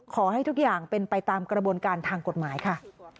ขอให้ทุกอย่างเป็นไปตามกระบวนการทางกฎหมายค่ะ